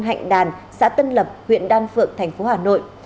hạnh đàn xã tân lập huyện đan phượng thành phố hà nội